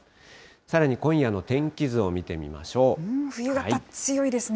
さらに今夜の天気図を見てみまし冬型強いですね。